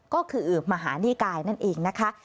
ก็คืออืบมหานิกายนั่นเองนะคะ